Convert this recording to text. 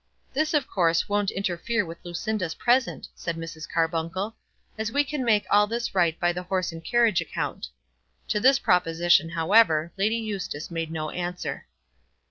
"This, of course, won't interfere with Lucinda's present," said Mrs. Carbuncle, "as we can make all this right by the horse and carriage account." To this proposition, however, Lady Eustace made no answer.